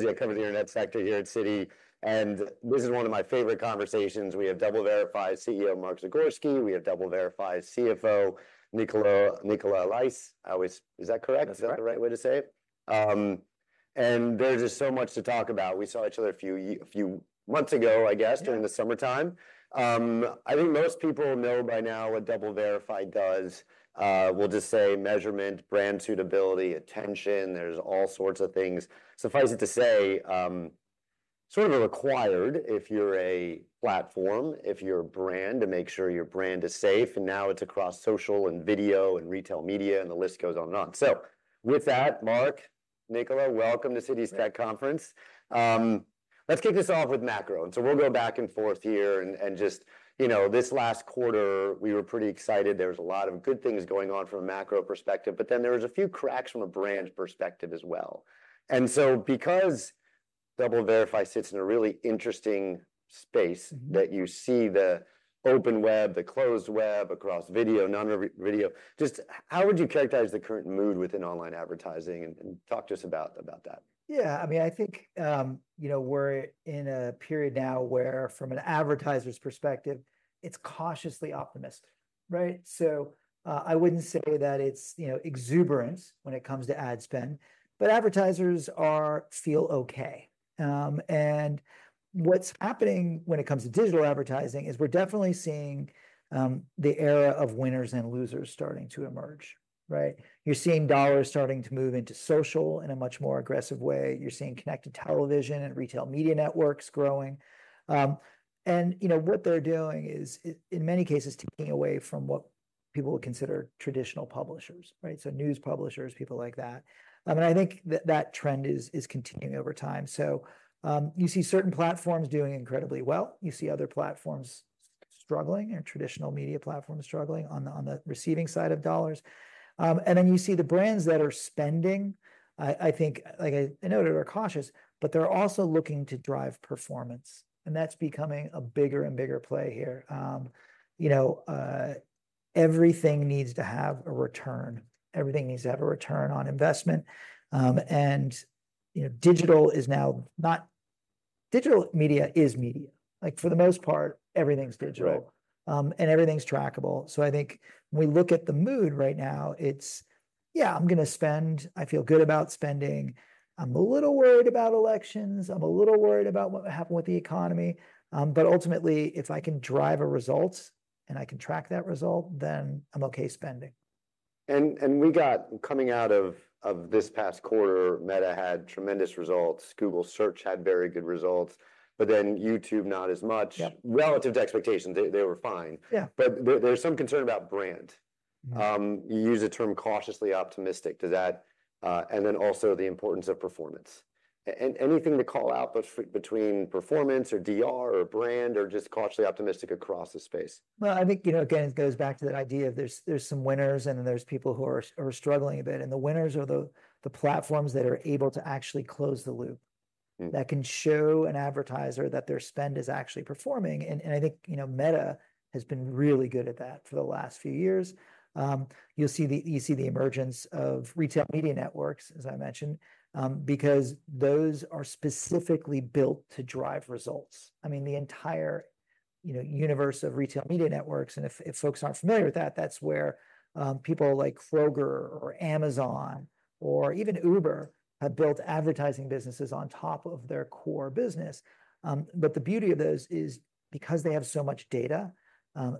Yeah, I cover the internet sector here at Citi, and this is one of my favorite conversations. We have DoubleVerify CEO, Mark Zagorski. We have DoubleVerify CFO, Nicola Allais. Is that correct? That's right. Is that the right way to say it? And there's just so much to talk about. We saw each other a few months ago, I guess- Yeah... during the summertime. I think most people know by now what DoubleVerify does. We'll just say measurement, brand suitability, attention, there's all sorts of things. Suffice it to say, sort of a required if you're a platform, if you're a brand, to make sure your brand is safe, and now it's across social and video and retail media, and the list goes on and on. So with that, Mark, Nicola, welcome to Citi's Tech Conference. Let's kick this off with macro, and so we'll go back and forth here and just, you know, this last quarter, we were pretty excited. There was a lot of good things going on from a macro perspective, but then there was a few cracks from a brand perspective as well. And so because DoubleVerify sits in a really interesting space- Mm-hmm... that you see the open web, the closed web, across video, non-video, just how would you characterize the current mood within online advertising? And talk to us about that. Yeah, I mean, I think you know, we're in a period now where, from an advertiser's perspective, it's cautiously optimistic, right? So, I wouldn't say that it's, you know, exuberant when it comes to ad spend, but advertisers feel okay, and what's happening when it comes to digital advertising is we're definitely seeing the era of winners and losers starting to emerge, right? You're seeing dollars starting to move into social in a much more aggressive way. You're seeing connected television and retail media networks growing, and you know, what they're doing is, in many cases, taking away from what people would consider traditional publishers, right? So news publishers, people like that. I mean, I think that trend is continuing over time, so you see certain platforms doing incredibly well. You see other platforms struggling and traditional media platforms struggling on the receiving side of dollars, and then you see the brands that are spending, I think, like I noted, are cautious, but they're also looking to drive performance, and that's becoming a bigger and bigger play here. You know, everything needs to have a return. Everything needs to have a return on investment, and, you know, digital is now not... Digital media is media. Like, for the most part, everything's digital- Right ... and everything's trackable. So I think when we look at the mood right now, it's, "Yeah, I'm gonna spend. I feel good about spending. I'm a little worried about elections. I'm a little worried about what will happen with the economy," but ultimately, if I can drive results, and I can track that result, then I'm okay spending. We got coming out of this past quarter, Meta had tremendous results. Google Search had very good results, but then YouTube, not as much. Yeah. Relative to expectations, they were fine. Yeah. But there, there's some concern about brand. Mm-hmm. You used the term cautiously optimistic to that, and then also the importance of performance. Anything to call out between performance or DR or brand or just cautiously optimistic across the space? I think, you know, again, it goes back to that idea of there's some winners, and then there's people who are struggling a bit, and the winners are the platforms that are able to actually close the loop- Mm... that can show an advertiser that their spend is actually performing. And I think, you know, Meta has been really good at that for the last few years. You'll see the emergence of retail media networks, as I mentioned, because those are specifically built to drive results. I mean, the entire, you know, universe of retail media networks, and if folks aren't familiar with that, that's where people like Kroger or Amazon or even Uber have built advertising businesses on top of their core business. But the beauty of those is because they have so much data,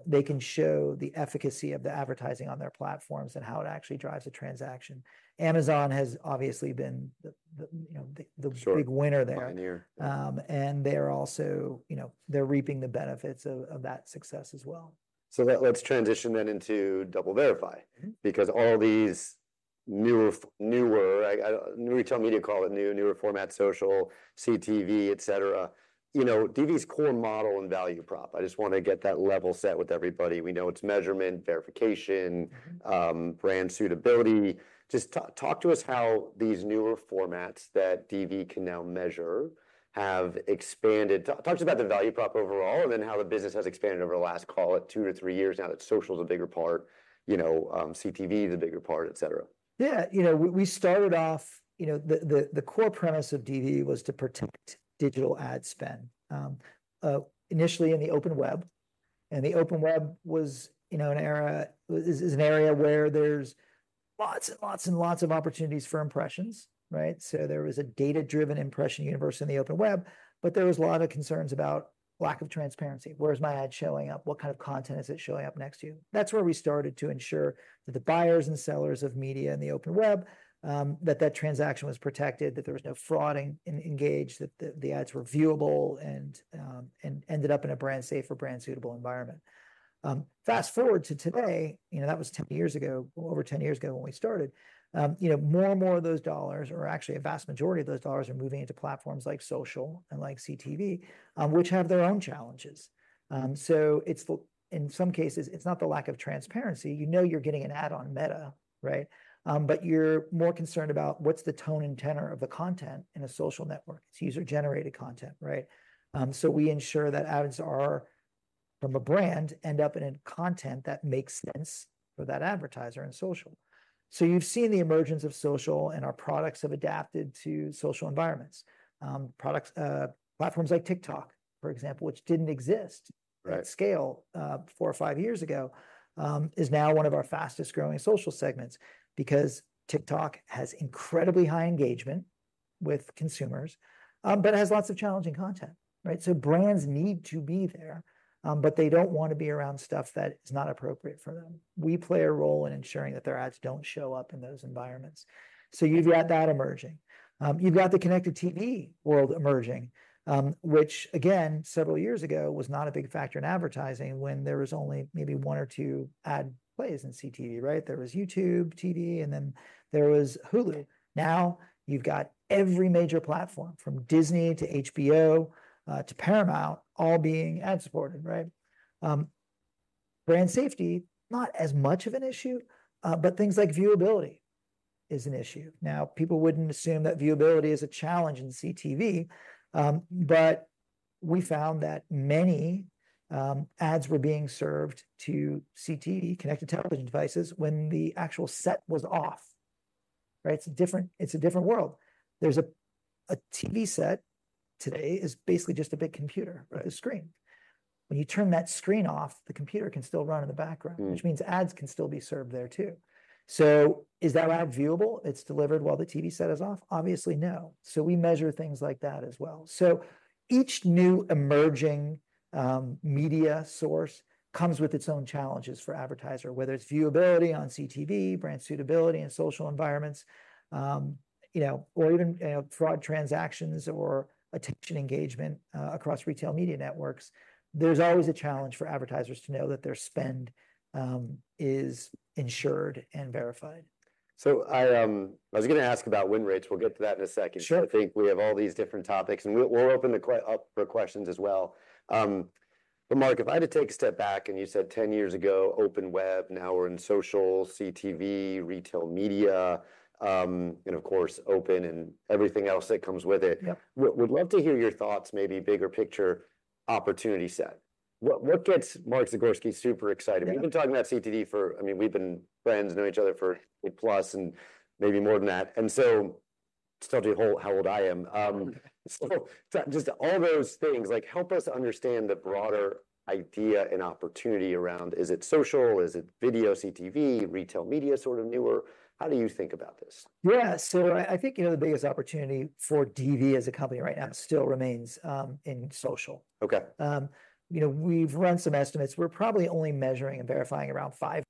they can show the efficacy of the advertising on their platforms and how it actually drives a transaction. Amazon has obviously been the, you know, the- Sure... the big winner there. Pioneer. And they're also, you know, they're reaping the benefits of that success as well. So, let's transition then into DoubleVerify- Mm-hmm... because all these newer, like, retail media call it new, newer format, social, CTV, et cetera, you know, DV's core model and value prop, I just wanna get that level set with everybody. We know it's measurement, verification- Mm-hmm... brand suitability. Just talk to us how these newer formats that DV can now measure have expanded. Talk to us about the value prop overall, and then how the business has expanded over the last, call it two to three years, now that social's a bigger part, you know, CTV is a bigger part, et cetera. Yeah, you know, we started off, you know, the core premise of DV was to protect digital ad spend. Initially in the open web, and the open web is an area where there's lots of opportunities for impressions, right? So there was a data-driven impression universe in the open web, but there was a lot of concerns about lack of transparency. Where's my ad showing up? What kind of content is it showing up next to? That's where we started to ensure that the buyers and sellers of media in the open web, that transaction was protected, that there was no fraud engaged, that the ads were viewable and ended up in a brand safe or brand suitable environment. Fast-forward to today, you know, that was 10 years ago, over 10 years ago when we started, you know, more and more of those dollars, or actually a vast majority of those dollars are moving into platforms like social and like CTV, which have their own challenges. So it's, in some cases, it's not the lack of transparency. You know you're getting an ad on Meta, right? But you're more concerned about what's the tone and tenor of the content in a social network. It's user-generated content, right? So we ensure that ads are from a brand end up in a content that makes sense for that advertiser in social. So you've seen the emergence of social, and our products have adapted to social environments. Products, platforms like TikTok, for example, which didn't exist. Right... at scale, four or five years ago, is now one of our fastest-growing social segments because TikTok has incredibly high engagement with consumers, but it has lots of challenging content, right? So brands need to be there, but they don't wanna be around stuff that is not appropriate for them. We play a role in ensuring that their ads don't show up in those environments. So you've got that emerging. You've got the connected TV world emerging, which again, several years ago, was not a big factor in advertising when there was only maybe one or two ad plays in CTV, right? There was YouTube TV, and then there was Hulu. Now, you've got every major platform, from Disney to HBO, to Paramount, all being ad-supported, right? Brand safety, not as much of an issue, but things like viewability is an issue. Now, people wouldn't assume that viewability is a challenge in CTV, but we found that many ads were being served to CTV, connected television devices, when the actual set was off, right? It's a different world. There's a TV set today is basically just a big computer, right? A screen. When you turn that screen off, the computer can still run in the background- Mm. - which means ads can still be served there, too. So is that ad viewable if it's delivered while the TV set is off? Obviously, no. So we measure things like that as well. So each new emerging media source comes with its own challenges for advertiser, whether it's viewability on CTV, brand suitability in social environments, you know, or even, you know, fraud transactions or attention engagement, across retail media networks. There's always a challenge for advertisers to know that their spend is insured and verified. So I was gonna ask about win rates. We'll get to that in a second. Sure. I think we have all these different topics, and we'll open the queue up for questions as well. But Mark, if I had to take a step back, and you said ten years ago, open web, now we're in social, CTV, retail media, and of course, open and everything else that comes with it- Yeah. Would love to hear your thoughts, maybe bigger picture, opportunity set. What gets Mark Zagorski super excited? Yeah. We've been talking about CTV. I mean, we've been friends, known each other for eight plus and maybe more than that, and so it'll tell you how old I am. So just all those things, like, help us understand the broader idea and opportunity around, is it social? Is it video, CTV, retail media, sort of newer? How do you think about this? Yeah. So I think, you know, the biggest opportunity for DV as a company right now still remains in social. Okay. You know, we've run some estimates. We're probably only measuring and verifying around 5%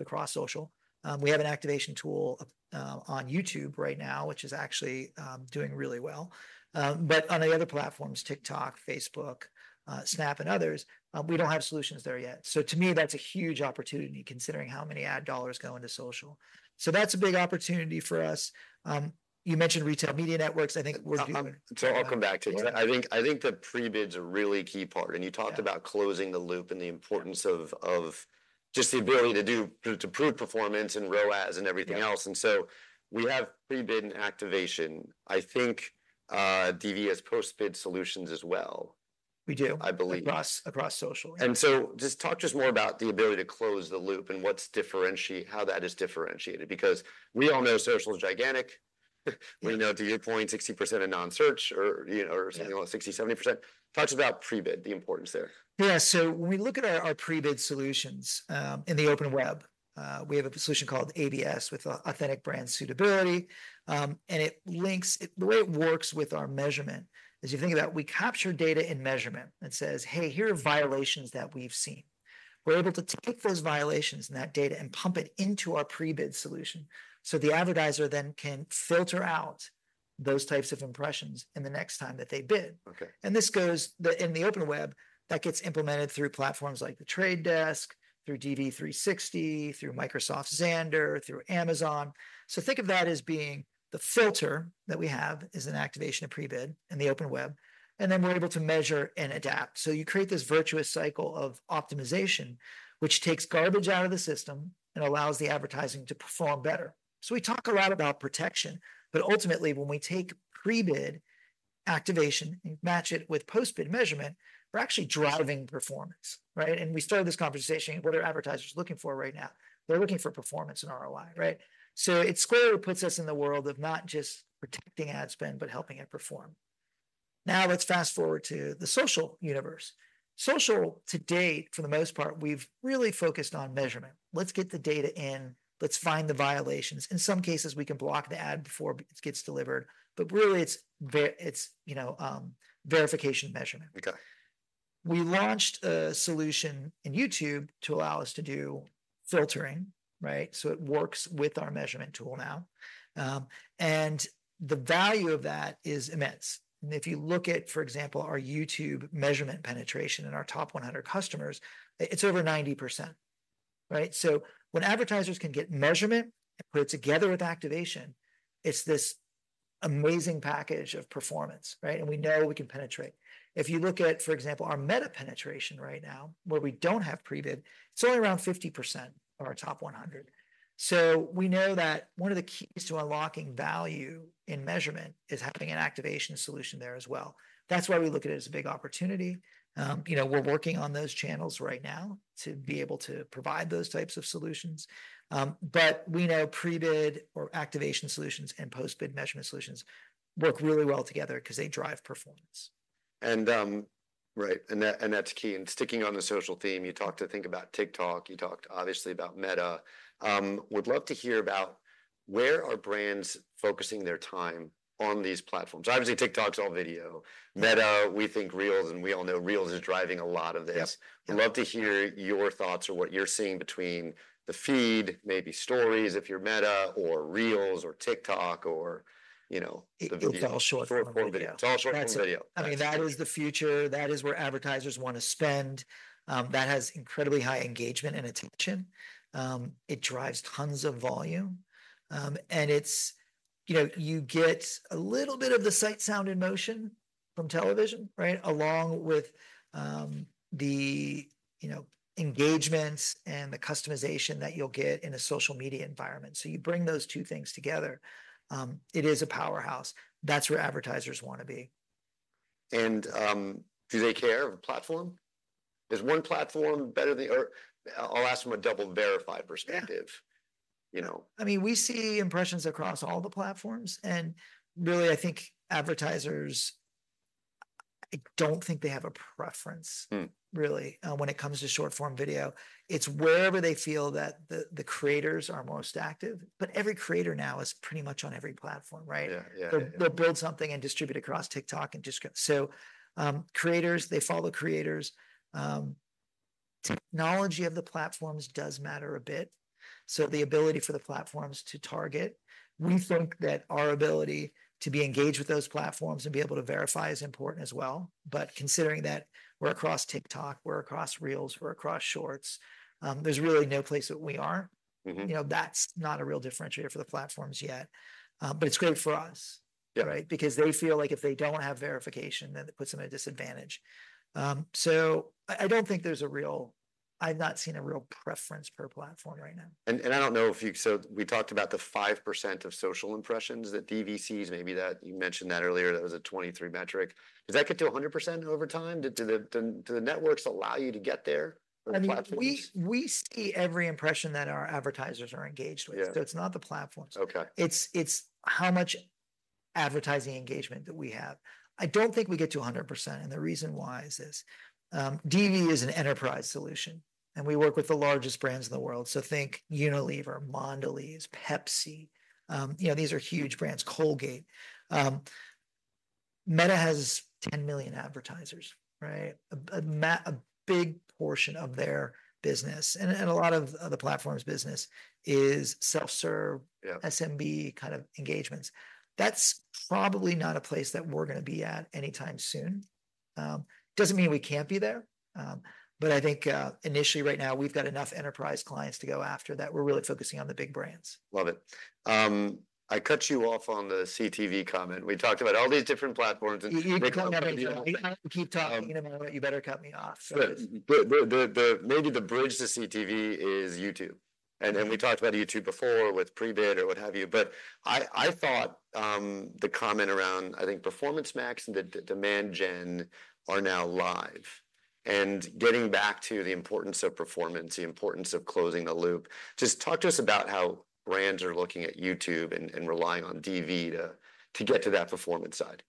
across social. We have an activation tool on YouTube right now, which is actually doing really well. But on the other platforms, TikTok, Facebook, Snap, and others, we don't have solutions there yet. So to me, that's a huge opportunity, considering how many ad dollars go into social. So that's a big opportunity for us. You mentioned retail media networks. I think we're- I'll come back to that. I think the pre-bid's a really key part- Yeah... and you talked about closing the loop and the importance of just the ability to do to prove performance and ROAS and everything else. Yeah. And so we have pre-bid and activation. I think, DV has post-bid solutions as well- We do I believe. Across social. Just talk to us more about the ability to close the loop and how that is differentiated, because we all know social is gigantic. Yeah. We know, to your point, 60% of non-search or, you know- Yeah... or something around 60%-70%. Talk to us about pre-bid, the importance there? Yeah. So when we look at our pre-bid solutions in the Open Web, we have a solution called ABS, with Authentic Brand Suitability, and it links it. The way it works with our measurement is you think about, we capture data in measurement and says, "Hey, here are violations that we've seen." We're able to take those violations and that data and pump it into our pre-bid solution, so the advertiser then can filter out those types of impressions in the next time that they bid. Okay. This goes in the open web, that gets implemented through platforms like The Trade Desk, through DV360, through Microsoft Xandr, through Amazon. So think of that as being the filter that we have as an activation of pre-bid in the open web, and then we're able to measure and adapt. You create this virtuous cycle of optimization, which takes garbage out of the system and allows the advertising to perform better. We talk a lot about protection, but ultimately, when we take pre-bid activation and match it with post-bid measurement, we're actually driving performance, right? We started this conversation, what are advertisers looking for right now? They're looking for performance and ROI, right? It squarely puts us in the world of not just protecting ad spend, but helping it perform. Now let's fast-forward to the social universe. Social, to date, for the most part, we've really focused on measurement. Let's get the data in, let's find the violations. In some cases, we can block the ad before it gets delivered, but really, it's verification measurement, you know. Okay. We launched a solution in YouTube to allow us to do filtering, right? So it works with our measurement tool now. And the value of that is immense. And if you look at, for example, our YouTube measurement penetration in our top 100 customers, it's over 90%, right? So when advertisers can get measurement and put it together with activation, it's this amazing package of performance, right? And we know we can penetrate. If you look at, for example, our Meta penetration right now, where we don't have pre-bid, it's only around 50% of our top 100. So we know that one of the keys to unlocking value in measurement is having an activation solution there as well. That's why we look at it as a big opportunity. You know, we're working on those channels right now to be able to provide those types of solutions. But we know pre-bid or activation solutions and post-bid measurement solutions work really well together 'cause they drive performance. And, right, and that, and that's key. And sticking on the social theme, you talked, I think, about TikTok, you talked obviously about Meta. Would love to hear about where are brands focusing their time on these platforms? Obviously, TikTok's all video. Mm. Meta, we think Reels, and we all know Reels is driving a lot of this. Yep. Yeah. Would love to hear your thoughts on what you're seeing between the feed, maybe stories, if you're Meta, or Reels or TikTok or, you know, the- It's all short-form video.... short-form video. It's all short-form video. I mean, that is the future. That is where advertisers wanna spend. That has incredibly high engagement and attention. It drives tons of volume. And it's, you know, you get a little bit of the sight, sound, and motion from television, right? Along with, the, you know, engagements and the customization that you'll get in a social media environment. So you bring those two things together, it is a powerhouse. That's where advertisers wanna be. Do they care of the platform? Is one platform better than- or I'll ask from a DoubleVerify perspective- Yeah ... you know? I mean, we see impressions across all the platforms, and really, I think advertisers, I don't think they have a preference- Mm... really, when it comes to short-form video. It's wherever they feel that the creators are most active. But every creator now is pretty much on every platform, right? Yeah, yeah. They'll build something and distribute across TikTok. So, creators, they follow creators. Technology of the platforms does matter a bit, so the ability for the platforms to target. We think that our ability to be engaged with those platforms and be able to verify is important as well. But considering that we're across TikTok, we're across Reels, we're across Shorts, there's really no place that we aren't. Mm-hmm. You know, that's not a real differentiator for the platforms yet, but it's great for us. Yeah. Right? Because they feel like if they don't have verification, then it puts them at a disadvantage. So I don't think there's a real... I've not seen a real preference per platform right now. I don't know if you... So we talked about the 5% of social impressions that DV covers, maybe that, you mentioned that earlier, that was a 2023 metric. Does that get to 100% over time? Do the networks allow you to get there, or the platforms? I mean, we see every impression that our advertisers are engaged with. Yeah. So it's not the platforms. Okay. It's how much advertising engagement that we have. I don't think we get to 100%, and the reason why is this. DV is an enterprise solution, and we work with the largest brands in the world. So think Unilever, Mondelez, Pepsi, you know, these are huge brands, Colgate. Meta has 10 million advertisers, right? A big portion of their business, and a lot of the platform's business, is self-serve- Yeah... SMB kind of engagements. That's probably not a place that we're gonna be at anytime soon. Doesn't mean we can't be there, but I think, initially right now, we've got enough enterprise clients to go after, that we're really focusing on the big brands. Love it. I cut you off on the CTV comment. We talked about all these different platforms, and- You, you cut me off. I keep talking, you know what? You better cut me off, so. Good. Maybe the bridge to CTV is YouTube. Mm-hmm. We talked about YouTube before with pre-bid or what have you, but I thought the comment around. I think Performance Max and the Demand Gen are now live. Getting back to the importance of performance, the importance of closing the loop, just talk to us about how brands are looking at YouTube and relying on DV to get to that performance side.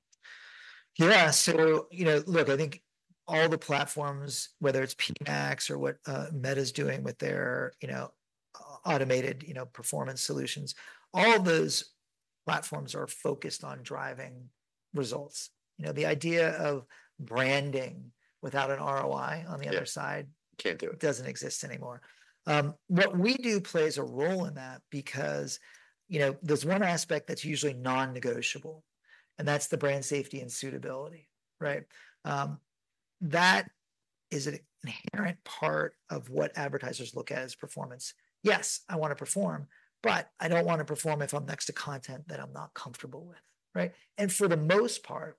Yeah, so, you know, look, I think all the platforms, whether it's PMax or what, Meta's doing with their, you know, automated, you know, performance solutions, all those platforms are focused on driving results. You know, the idea of branding without an ROI on the other side- Yeah, can't do it.... doesn't exist anymore. What we do plays a role in that because, you know, there's one aspect that's usually non-negotiable, and that's the brand safety and suitability, right? That is an inherent part of what advertisers look at as performance. "Yes, I wanna perform, but I don't wanna perform if I'm next to content that I'm not comfortable with," right? And for the most part,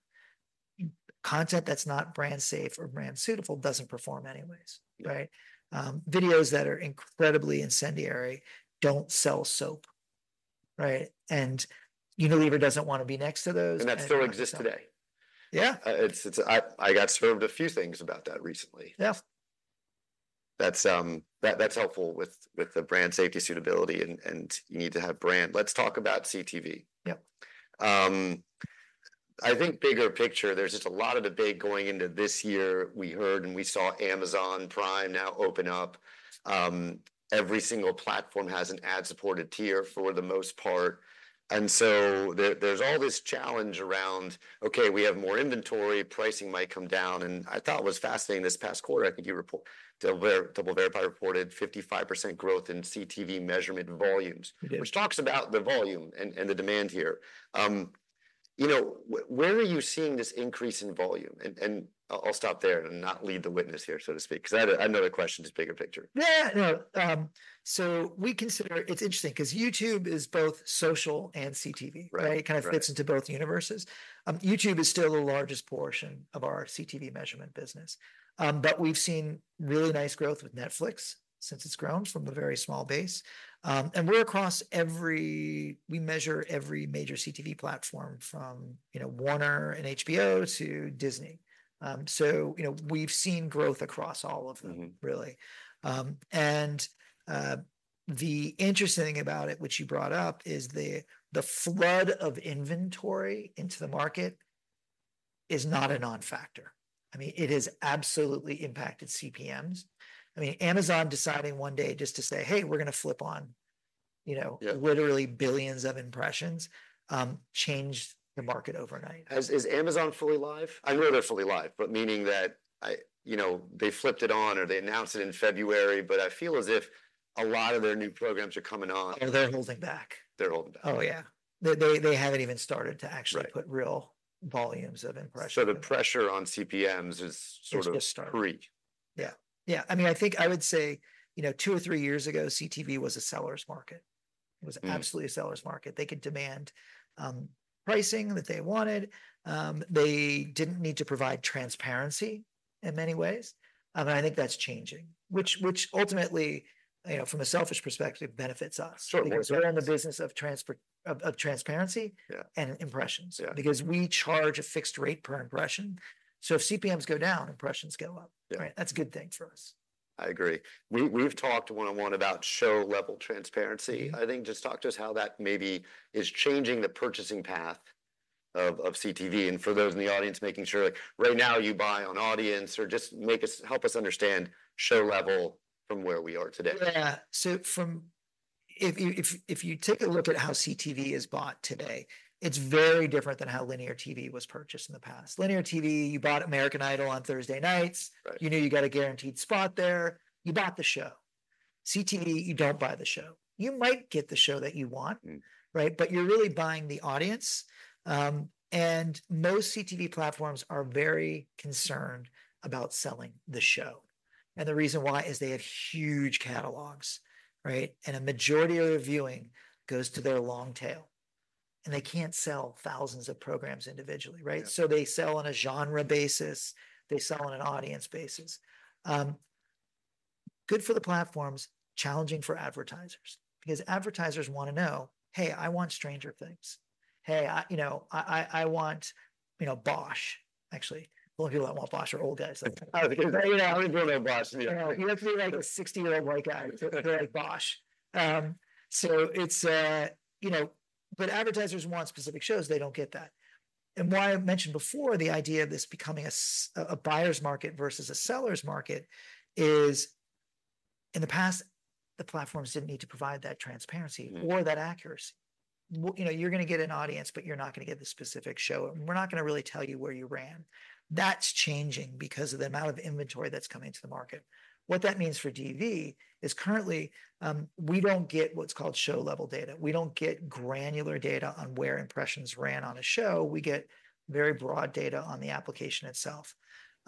content that's not brand safe or brand suitable doesn't perform anyways, right? Yeah. Videos that are incredibly incendiary don't sell soap, right? And Unilever doesn't wanna be next to those- That still exists today. Yeah. It's. I got served a few things about that recently. Yeah.... That's helpful with the brand safety suitability, and you need to have brand. Let's talk about CTV. Yep. I think bigger picture, there's just a lot of debate going into this year. We heard and we saw Amazon Prime now open up. Every single platform has an ad-supported tier for the most part, and so there's all this challenge around, okay, we have more inventory, pricing might come down. I thought it was fascinating this past quarter. I think DoubleVerify reported 55% growth in CTV measurement volumes. It did... which talks about the volume and the demand here. You know, where are you seeing this increase in volume? And I'll stop there and not lead the witness here, so to speak, 'cause I had another question, just bigger picture. Yeah, no, so we consider... It's interesting, 'cause YouTube is both social and CTV, right? Right, right. It kind of fits into both universes. YouTube is still the largest portion of our CTV measurement business, but we've seen really nice growth with Netflix since it's grown from a very small base, and we're across. We measure every major CTV platform from, you know, Warner and HBO to Disney, so, you know, we've seen growth across all of them. Mm-hmm... really, and the interesting about it, which you brought up, is the flood of inventory into the market is not a non-factor. I mean, it has absolutely impacted CPMs. I mean, Amazon deciding one day just to say, "Hey, we're gonna flip on," you know- Yeah... literally billions of impressions, changed the market overnight. Is Amazon fully live? I know they're fully live, but meaning that, I, you know, they flipped it on, or they announced it in February, but I feel as if a lot of their new programs are coming on- Oh, they're holding back. They're holding back? Oh, yeah. They haven't even started to actually- Right... put real volumes of impressions. So the pressure on CPMs is sort of- Just getting started.... freak. Yeah. Yeah, I mean, I think I would say, you know, two or three years ago, CTV was a seller's market. Mm. It was absolutely a seller's market. They could demand pricing that they wanted. They didn't need to provide transparency in many ways, but I think that's changing. Which ultimately, you know, from a selfish perspective, benefits us. Sure, makes sense. Because we're in the business of transparency. Yeah... and impressions. Yeah. Because we charge a fixed rate per impression, so if CPMs go down, impressions go up. Yeah. Right? That's a good thing for us. I agree. We, we've talked one-on-one about show-level transparency. I think just talk to us how that maybe is changing the purchasing path of, of CTV, and for those in the audience, making sure, like, right now you buy on audience or help us understand show level from where we are today. Yeah, so if you take a look at how CTV is bought today, it's very different than how linear TV was purchased in the past. Linear TV, you bought American Idol on Thursday nights- Right... you knew you got a guaranteed spot there. You bought the show. CTV, you don't buy the show. You might get the show that you want- Mm... right, but you're really buying the audience. And most CTV platforms are very concerned about selling the show, and the reason why is they have huge catalogs, right? And a majority of their viewing goes to their long tail, and they can't sell thousands of programs individually, right? Yeah. So they sell on a genre basis, they sell on an audience basis. Good for the platforms, challenging for advertisers. Because advertisers wanna know, "Hey, I want Stranger Things. Hey, I, you know, I want, you know, Bosch." Actually, people who want Bosch are old guys like me. You know, I really like Bosch, yeah. You know, you have to be, like, a 60-year-old white guy to like Bosch, so it's, you know, but advertisers want specific shows, they don't get that and why I mentioned before the idea of this becoming a buyer's market versus a seller's market is, in the past, the platforms didn't need to provide that transparency. Mm... or that accuracy. You know, you're gonna get an audience, but you're not gonna get the specific show, and we're not gonna really tell you where you ran. That's changing because of the amount of inventory that's coming to the market. What that means for DV is currently, we don't get what's called show-level data. We don't get granular data on where impressions ran on a show. We get very broad data on the application itself.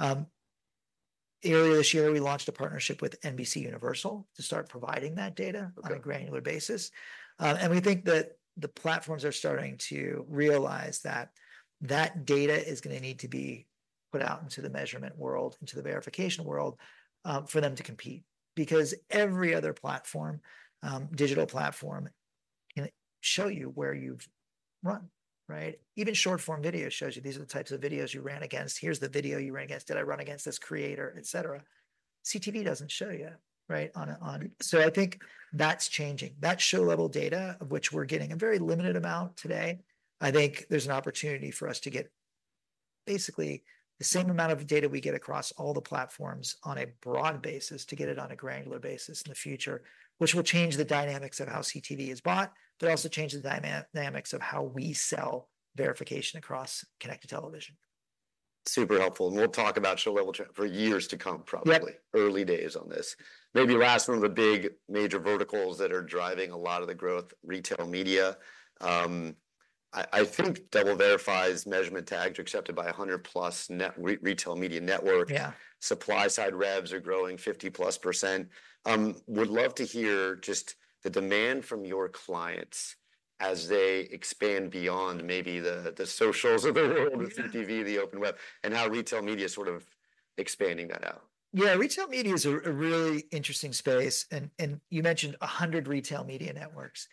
Earlier this year, we launched a partnership with NBCUniversal to start providing that data. Okay... on a granular basis. And we think that the platforms are starting to realize that that data is gonna need to be put out into the measurement world, into the verification world, for them to compete. Because every other platform, digital platform, can show you where you've run, right? Even short-form video shows you, "These are the types of videos you ran against. Here's the video you ran against. Did I run against this creator?" etc. CTV doesn't show you, right? So I think that's changing. That show-level data, of which we're getting a very limited amount today, I think there's an opportunity for us to get basically the same amount of data we get across all the platforms on a broad basis, to get it on a granular basis in the future, which will change the dynamics of how CTV is bought, but also change the dynamics of how we sell verification across connected television. Super helpful, and we'll talk about show-level transparency for years to come, probably. Yep. Early days on this. Maybe last one of the big major verticals that are driving a lot of the growth, retail media. I think DoubleVerify's measurement tags are accepted by 100-plus retail media network. Yeah. Supply-side revs are growing 50+%. Would love to hear just the demand from your clients as they expand beyond maybe the socials of the world, Yeah... CTV, the open web, and how retail media is sort of expanding that out. Yeah, retail media is a really interesting space, and you mentioned 100 retail media networks.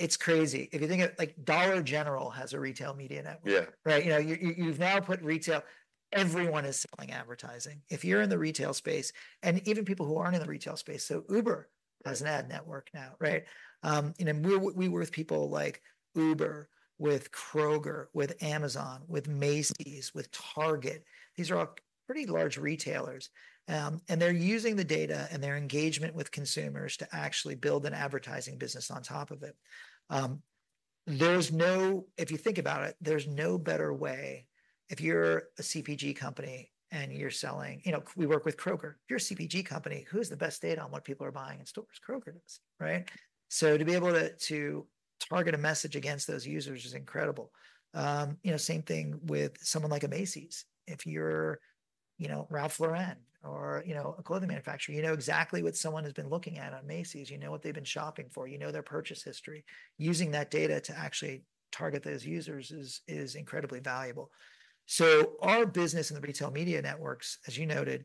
It's crazy. If you think of, like, Dollar General has a retail media network. Yeah. Right? You know, you've now put retail media. Everyone is selling advertising. If you're in the retail space, and even people who aren't in the retail space, so Uber has an ad network now, right? You know, and we work with people like Uber, with Kroger, with Amazon, with Macy's, with Target. These are all pretty large retailers. And they're using the data and their engagement with consumers to actually build an advertising business on top of it. There's no, if you think about it, there's no better way, if you're a CPG company and you're selling. You know, we work with Kroger. If you're a CPG company, who has the best data on what people are buying in stores? Kroger does, right? So to be able to target a message against those users is incredible. You know, same thing with someone like a Macy's. If you're, you know, Ralph Lauren or, you know, a clothing manufacturer, you know exactly what someone has been looking at on Macy's. You know what they've been shopping for. You know their purchase history. Using that data to actually target those users is incredibly valuable. Our business in the retail media networks, as you noted,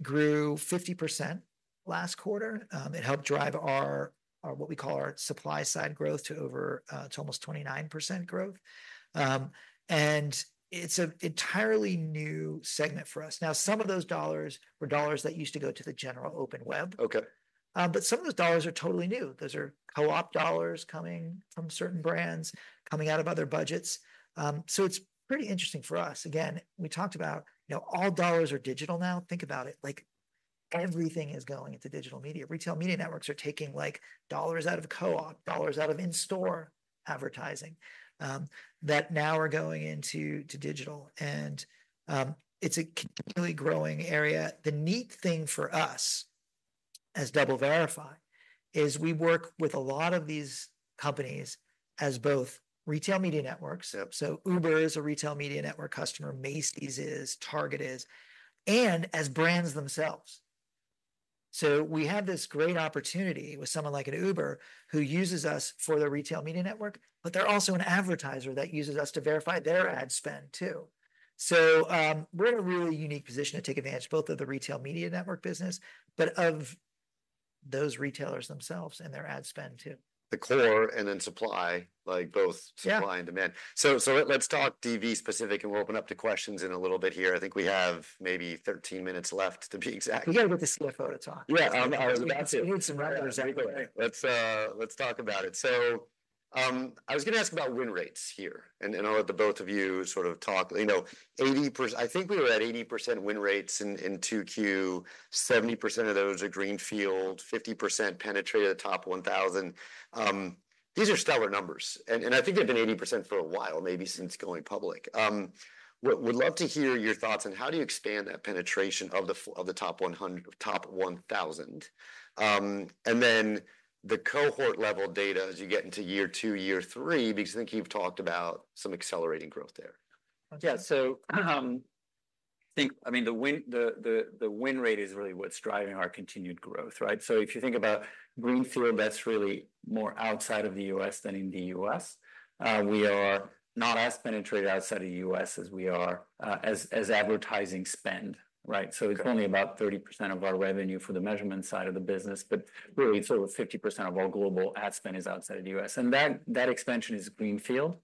grew 50% last quarter. It helped drive our what we call our supply-side growth to almost 29% growth. And it's an entirely new segment for us. Now, some of those dollars were dollars that used to go to the general open web. Okay. But some of those dollars are totally new. Those are co-op dollars coming from certain brands, coming out of other budgets. So it's pretty interesting for us. Again, we talked about, you know, all dollars are digital now. Think about it, like, everything is going into digital media. Retail media networks are taking, like, dollars out of co-op, dollars out of in-store advertising, that now are going into digital, and it's a continually growing area. The neat thing for us, as DoubleVerify, is we work with a lot of these companies as both retail media networks, so Uber is a retail media network customer, Macy's is, Target is, and as brands themselves. So we have this great opportunity with someone like an Uber, who uses us for their retail media network, but they're also an advertiser that uses us to verify their ad spend, too. So, we're in a really unique position to take advantage both of the retail media network business, but of those retailers themselves and their ad spend, too. The core and then supply, like both- Yeah... supply and demand. So, let's talk DV specific, and we'll open up to questions in a little bit here. I think we have maybe 13 minutes left to be exact. We've got to get the CFO to talk. Yeah, I was about to. We need some revenues anyway. Let's talk about it. So, I was gonna ask about win rates here, and I'll let the both of you sort of talk. You know, I think we were at 80% win rates in 2Q, 70% of those are greenfield, 50% penetrated the top 1,000. These are stellar numbers, and I think they've been 80% for a while, maybe since going public. Would love to hear your thoughts on how do you expand that penetration of the top 100-top 1,000? And then the cohort-level data as you get into year two, year three, because I think you've talked about some accelerating growth there. Yeah, so, I think, I mean, the win rate is really what's driving our continued growth, right? So if you think about greenfield, that's really more outside of the U.S. than in the U.S. We are not as penetrated outside of the U.S. as advertising spend, right? Okay. So it's only about 30% of our revenue for the measurement side of the business, but really, sort of 50% of our global ad spend is outside of the US, and that expansion is greenfield.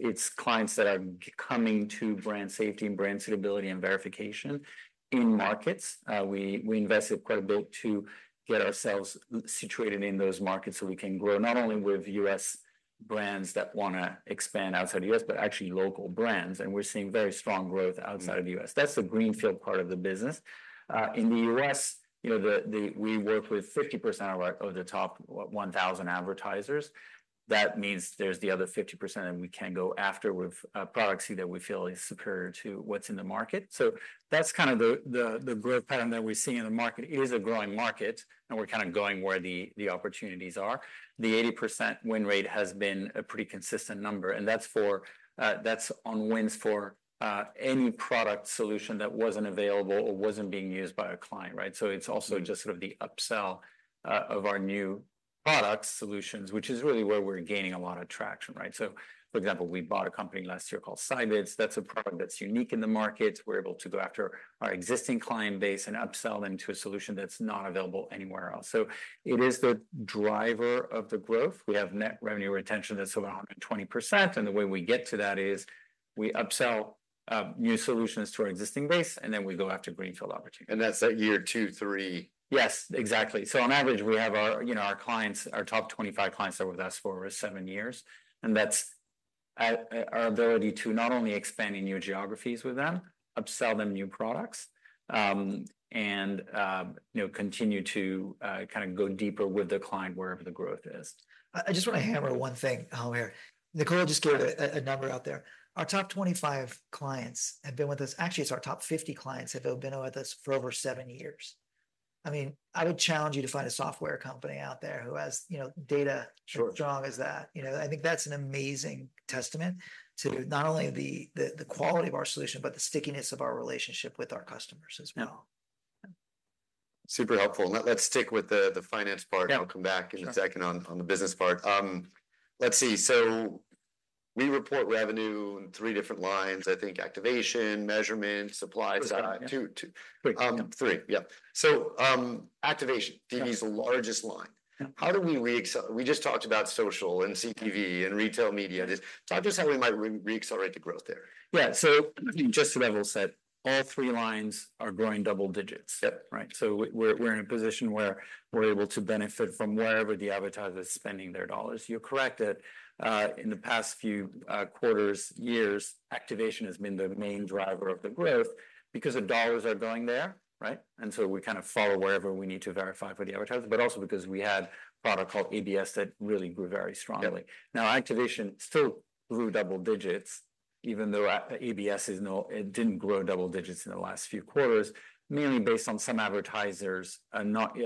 It's clients that are coming to brand safety and brand suitability and verification in markets. We invested quite a bit to get ourselves situated in those markets so we can grow, not only with US brands that wanna expand outside the US, but actually local brands, and we're seeing very strong growth- Mm... outside of the U.S. That's the greenfield part of the business. In the U.S., you know, we work with 50% of the top 1,000 advertisers. That means there's the other 50%, and we can go after with a product suite that we feel is superior to what's in the market. So that's kind of the growth pattern that we're seeing in the market. It is a growing market, and we're kind of going where the opportunities are. The 80% win rate has been a pretty consistent number, and that's for, that's on wins for any product solution that wasn't available or wasn't being used by a client, right? So it's also just sort of the upsell of our new product solutions, which is really where we're gaining a lot of traction, right? For example, we bought a company last year called Scibids. That's a product that's unique in the market. We're able to go after our existing client base and upsell them to a solution that's not available anywhere else. So it is the driver of the growth. We have net revenue retention that's around 120%, and the way we get to that is we upsell new solutions to our existing base, and then we go after greenfield opportunities. That's at year two, three? Yes, exactly. So on average, we have our, you know, our clients, our top twenty-five clients that are with us for over seven years, and that's at our ability to not only expand in new geographies with them, upsell them new products, and, you know, continue to kind of go deeper with the client wherever the growth is. I just wanna hammer one thing home here. Nicola just gave a number out there. Our top twenty-five clients have been with us. Actually, it's our top fifty clients have been with us for over seven years. I mean, I would challenge you to find a software company out there who has, you know, data- Sure... strong as that. You know, I think that's an amazing testament- Sure... to not only the quality of our solution, but the stickiness of our relationship with our customers as well. Yeah. Super helpful, and let's stick with the finance part. Yeah. And I'll come back in a second. Sure... on the business part. Let's see, we report revenue in three different lines, I think activation, measurement, supply side- Was that? Yeah. Two, two- Quick. Three, yeah. So, activation, DV's largest line. Yeah. How do we re-accelerate? We just talked about social and CTV and retail media. Just talk to us how we might re-accelerate the growth there. Yeah, so just as Nicola Allais said, all three lines are growing double digits. Yep. Right? So we're in a position where we're able to benefit from wherever the advertiser's spending their dollars. You're correct that in the past few quarters, years, activation has been the main driver of the growth because the dollars are going there, right? And so we kind of follow wherever we need to verify for the advertisers, but also because we had a product called ABS that really grew very strongly. Yeah. Now, activation still grew double digits, even though ABS did not grow double digits in the last few quarters, mainly based on some advertisers not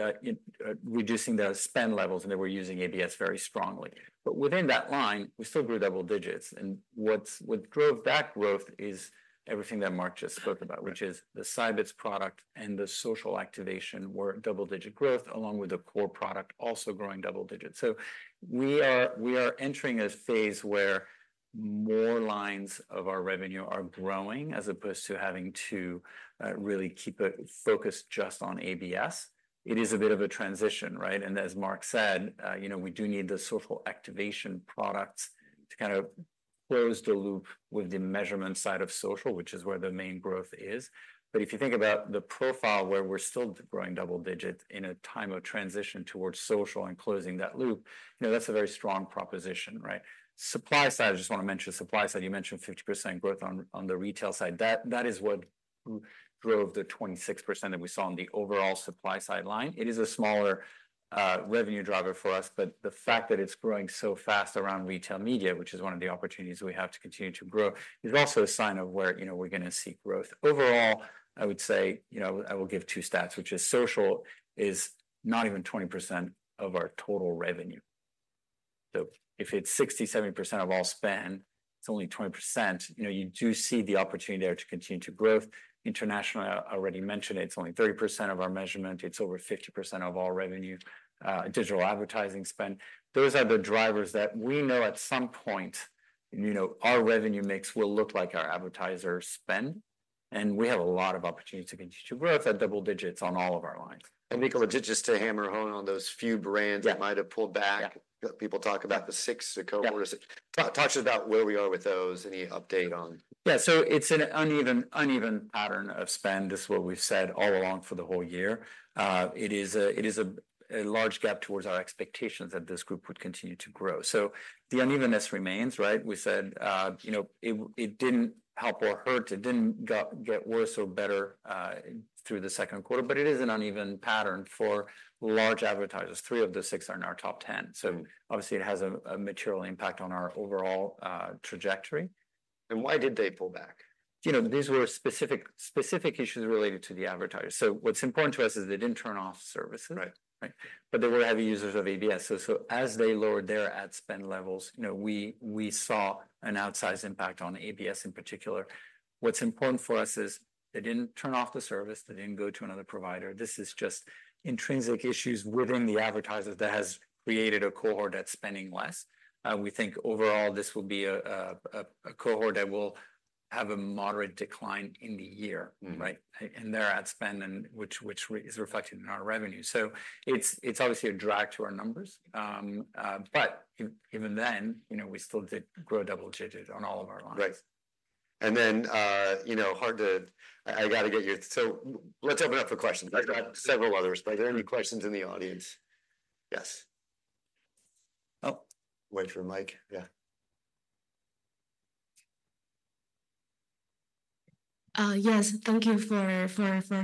reducing their spend levels, and they were using ABS very strongly. But within that line, we still grew double digits, and what drove that growth is everything that Mark just spoke about- Right... which is the Scibids product and the social activation were double-digit growth, along with the core product also growing double digits. So we are entering a phase where more lines of our revenue are growing, as opposed to having to really keep it focused just on ABS. It is a bit of a transition, right? And as Mark said, you know, we do need the social activation products to kind of close the loop with the measurement side of social, which is where the main growth is. But if you think about the profile, where we're still growing double digits in a time of transition towards social and closing that loop, you know, that's a very strong proposition, right? Supply side, I just want to mention the supply side. You mentioned 50% growth on the retail side. That, that is what drove the 26% that we saw on the overall supply side line. It is a smaller revenue driver for us, but the fact that it's growing so fast around retail media, which is one of the opportunities we have to continue to grow, is also a sign of where, you know, we're gonna see growth. Overall, I would say, you know, I will give two stats, which is social is not even 20% of our total revenue. So if it's 60-70% of all spend, it's only 20%, you know, you do see the opportunity there to continue to grow. International, I already mentioned it, it's only 30% of our measurement. It's over 50% of all revenue, digital advertising spend. Those are the drivers that we know at some point, you know, our revenue mix will look like our advertisers spend, and we have a lot of opportunity to continue to grow with that double digits on all of our lines. Nico, just to hammer home on those few brands- Yeah... that might have pulled back. Yeah. People talk about the six, the cohort- Yeah... talk to us about where we are with those. Any update on? Yeah, so it's an uneven, uneven pattern of spend. This is what we've said all along for the whole year. It is a large gap toward our expectations that this group would continue to grow. So the unevenness remains, right? We said, you know, it didn't help or hurt. It didn't get worse or better through the second quarter, but it is an uneven pattern for large advertisers. Three of the six are in our top ten, so obviously, it has a material impact on our overall trajectory. Why did they pull back? You know, these were specific issues related to the advertisers. So what's important to us is they didn't turn off service. Right. Right, but they were heavy users of ABS. So as they lowered their ad spend levels, you know, we saw an outsized impact on ABS in particular. What's important for us is they didn't turn off the service. They didn't go to another provider. This is just intrinsic issues within the advertisers that has created a cohort that's spending less. We think overall this will be a cohort that will have a moderate decline in the year- Mm-hmm... right, in their ad spend, and which is reflected in our revenue. So it's obviously a drag to our numbers. But even then, you know, we still did grow double digits on all of our lines. Right. And then, you know, hard to... I gotta get you- so let's open up for questions. Okay. I've got several others, but are there any questions in the audience? Yes. Oh. Wait for a mic. Yeah. Yes, thank you for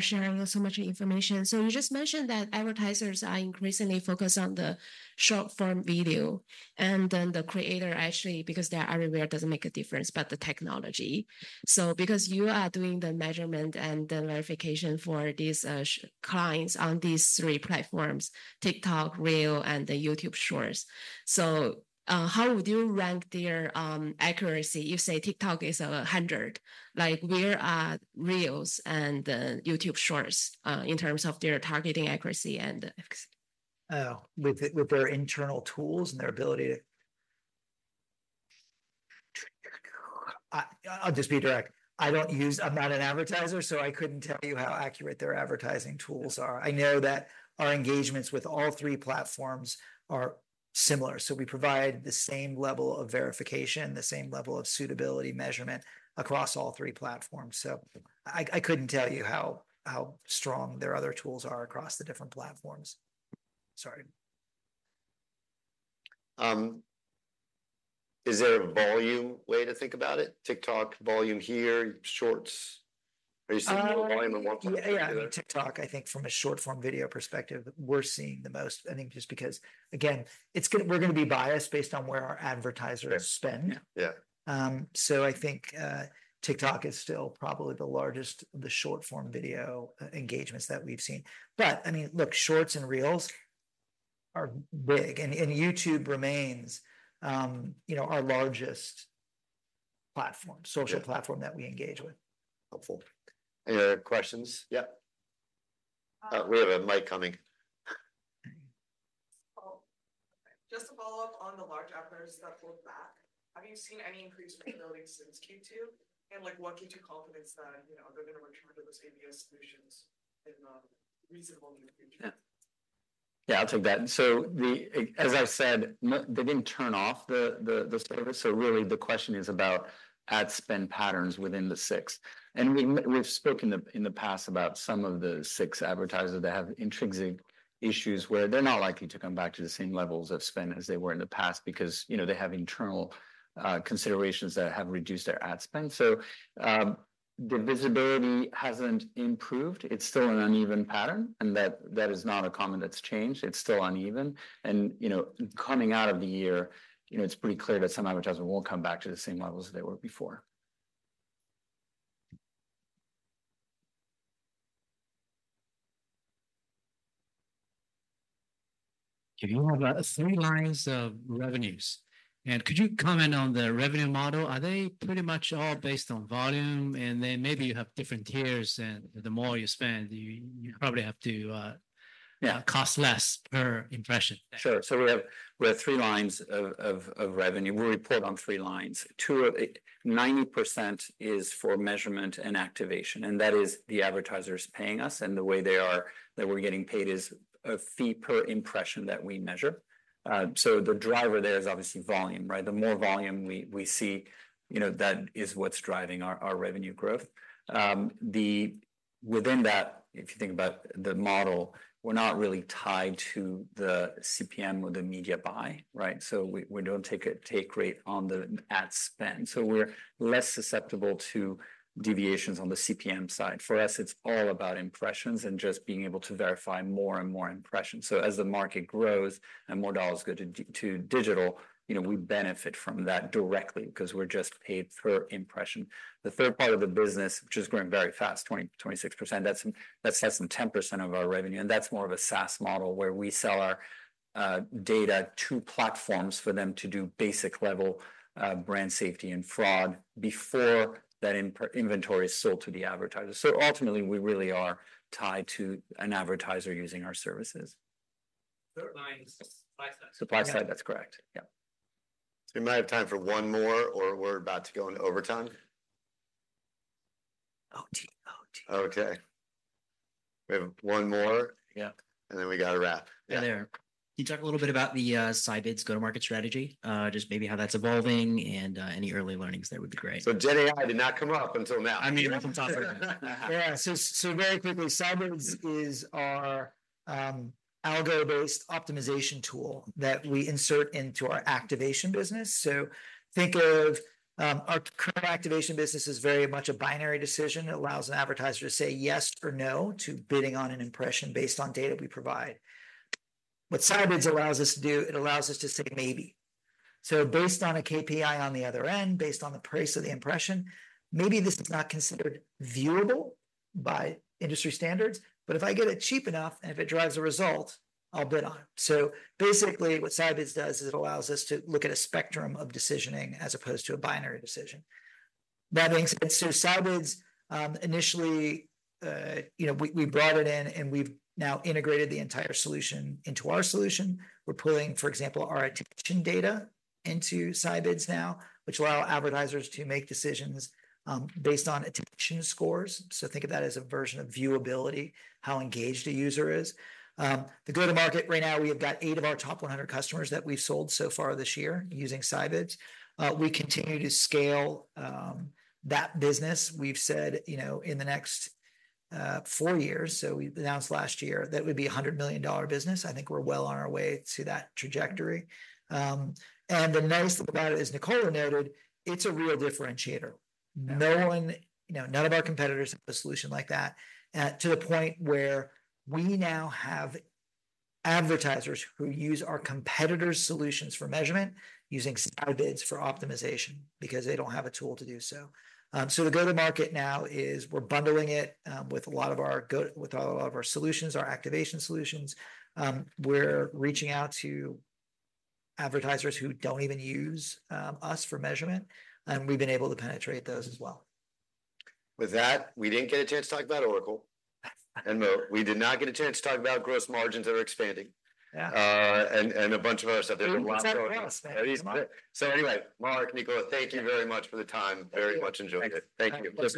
sharing so much information. So you just mentioned that advertisers are increasingly focused on the short-form video, and then the creator, actually, because they are aware, doesn't make a difference, but the technology. So because you are doing the measurement and the verification for these clients on these three platforms, TikTok, Reels, and the YouTube Shorts, how would you rank their accuracy? You say TikTok is a hundred. Like, where are Reels and YouTube Shorts in terms of their targeting accuracy and X? with their internal tools and their ability to... I'll just be direct. I'm not an advertiser, so I couldn't tell you how accurate their advertising tools are. I know that our engagements with all three platforms are similar, so we provide the same level of verification, the same level of suitability measurement across all three platforms. So I couldn't tell you how strong their other tools are across the different platforms. Sorry. Is there a volume way to think about it? TikTok volume here, Shorts. Are you seeing more volume in one platform than the other? Yeah, I mean, TikTok, I think from a short-form video perspective, we're seeing the most, I think just because, again, we're gonna be biased based on where our advertisers spend. Yeah, yeah. So I think, TikTok is still probably the largest, the short-form video, engagements that we've seen. But, I mean, look, Shorts and Reels are big, and YouTube remains, you know, our largest platform- Yeah... social platform that we engage with. Helpful. Any other questions? Yeah. We have a mic coming.... Oh, just to follow up on the large advertisers that pulled back, have you seen any increased visibility since Q2? And, like, what gives you confidence that, you know, they're gonna return to the same solutions in a reasonable near future? Yeah. Yeah, I'll take that. So as I said, they didn't turn off the service, so really the question is about ad spend patterns within the six. And we've spoken in the past about some of the six advertisers that have intrinsic issues, where they're not likely to come back to the same levels of spend as they were in the past because, you know, they have internal considerations that have reduced their ad spend. So the visibility hasn't improved. It's still an uneven pattern, and that is not a comment that's changed. It's still uneven. And, you know, coming out of the year, you know, it's pretty clear that some advertisers won't come back to the same levels they were before. You have three lines of revenues, and could you comment on the revenue model? Are they pretty much all based on volume, and then maybe you have different tiers, and the more you spend, you probably have to... Yeah... cost less per impression? Sure. So we have three lines of revenue. We report on three lines. Two of it, 90% is for measurement and activation, and that is the advertisers paying us, and the way they are, that we're getting paid is a fee per impression that we measure. So the driver there is obviously volume, right? The more volume we see, you know, that is what's driving our revenue growth. Within that, if you think about the model, we're not really tied to the CPM or the media buy, right? So we don't take a take rate on the ad spend, so we're less susceptible to deviations on the CPM side. For us, it's all about impressions and just being able to verify more and more impressions. So as the market grows and more dollars go to digital, you know, we benefit from that directly 'cause we're just paid per impression. The third part of the business, which is growing very fast, 20%-26%, that's less than 10% of our revenue, and that's more of a SaaS model, where we sell our data to platforms for them to do basic level brand safety and fraud before that inventory is sold to the advertisers. So ultimately, we really are tied to an advertiser using our services. Third line is supply side. Supply-side, that's correct. Yeah. So we might have time for one more, or we're about to go into overtime. OT, OT. Okay. We have one more- Yeah... and then we gotta wrap. Yeah. Hey there. Can you talk a little bit about the Scibids go-to-market strategy? Just maybe how that's evolving, and any early learnings there would be great. GenAI did not come up until now. I mean, it comes after. Yeah. So very quickly, Scibids is our algo-based optimization tool that we insert into our activation business. So think of our current activation business as very much a binary decision. It allows an advertiser to say yes or no to bidding on an impression based on data we provide. What Scibids allows us to do, it allows us to say maybe. So based on a KPI on the other end, based on the price of the impression, maybe this is not considered viewable by industry standards, but if I get it cheap enough, and if it drives a result, I'll bid on it. So basically, what Scibids does is it allows us to look at a spectrum of decisioning as opposed to a binary decision. That being said, so Scibids, initially, you know, we brought it in, and we've now integrated the entire solution into our solution. We're pulling, for example, our attention data into Scibids now, which allow advertisers to make decisions, based on attention scores. So think of that as a version of viewability, how engaged a user is. The go-to-market right now, we have got eight of our top 100 customers that we've sold so far this year using Scibids. We continue to scale, that business. We've said, you know, in the next, four years, so we announced last year, that it would be a $100 million business. I think we're well on our way to that trajectory. And the nice thing about it, as Nicola noted, it's a real differentiator. Yeah. No one, you know, none of our competitors have a solution like that, to the point where we now have advertisers who use our competitors' solutions for measurement, using Scibids for optimization, because they don't have a tool to do so. So the go-to-market now is we're bundling it, with a lot of our solutions, our activation solutions. We're reaching out to advertisers who don't even use us for measurement, and we've been able to penetrate those as well. With that, we didn't get a chance to talk about Oracle and we did not get a chance to talk about gross margins that are expanding. Yeah. And a bunch of other stuff. There's a lot- Is that a real statement? So anyway, Mark, Nicola, thank you very much for the time. Thank you. Very much enjoyed it. Thanks. Thank you.